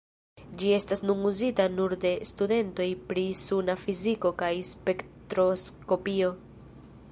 Ĝi estas nun uzita nur de studentoj pri suna fiziko kaj spektroskopio.